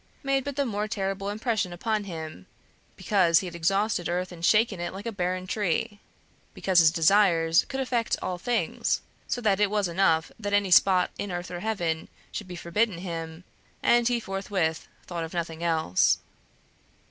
made but the more terrible impression upon him, because he had exhausted earth and shaken it like a barren tree; because his desires could effect all things, so that it was enough that any spot in earth or heaven should be forbidden him, and he forthwith thought of nothing else.